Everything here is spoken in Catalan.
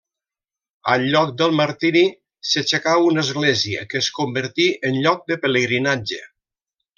Al lloc del martiri s'aixecà una església que es convertí en lloc de pelegrinatge.